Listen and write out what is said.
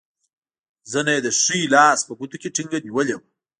زنه یې د ښي لاس په ګوتو کې ټینګه نیولې وه.